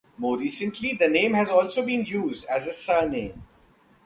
More recently, the name has also been used as a surname.